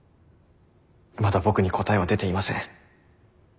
まだ僕に答えは出ていません。